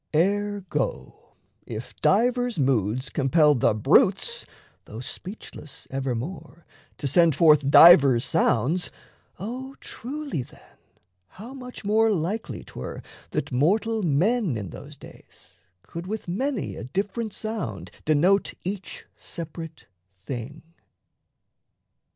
Ergo, if divers moods Compel the brutes, though speechless evermore, To send forth divers sounds, O truly then How much more likely 'twere that mortal men In those days could with many a different sound Denote each separate thing.